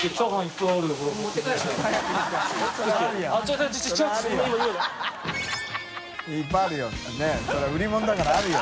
そりゃ売り物だからあるよ。